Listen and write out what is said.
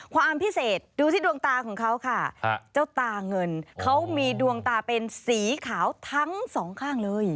ความพิเศษดูที่ดวงตาของเขาค่ะเจ้าตาเงินเขามีดวงตาเป็นสีขาวทั้งสองข้างเลย